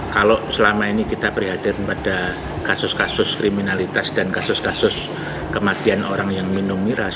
kalau selama ini kita prihatin pada kasus kasus kriminalitas dan kasus kasus kematian orang yang minum miras